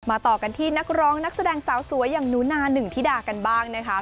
ต่อกันที่นักร้องนักแสดงสาวสวยอย่างหนูนาหนึ่งธิดากันบ้างนะคะ